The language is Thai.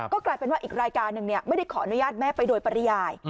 ก็กลายเป็นว่าอีกรายการหนึ่งไม่ได้ขออนุญาตแม่ไปโดยปริยาย